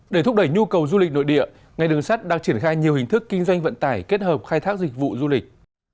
để thúc đẩy nhu cầu du lịch nội địa ngành đường sắt đang triển khai nhiều hình thức kinh doanh vận tải kết hợp khai thác dịch vụ du lịch